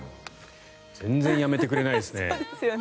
全然やめてくれないですね。